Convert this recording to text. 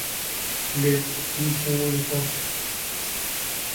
Lép u ñkuu likot.